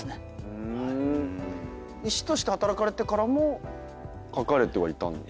医師として働かれてからも書かれてはいたんですか？